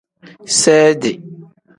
Seedi.